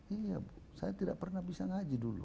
iya bu saya tidak pernah bisa ngaji dulu